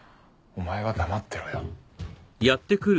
お前は黙ってろよ。